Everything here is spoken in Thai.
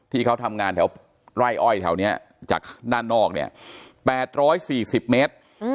ที่เขาทำงานแถวไร่อ้อยแถวเนี้ยจากด้านนอกเนี้ยแปดร้อยสี่สิบเมตรอืม